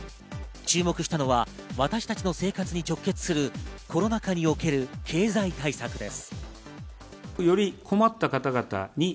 注目したのは私たちの生活に直結するコロナ禍における経済対策です。